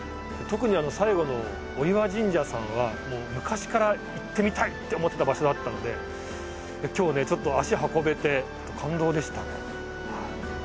特に最後の御岩神社さんはもう昔から行ってみたいって思ってた場所だったので今日ちょっと足運べて感動でしたね。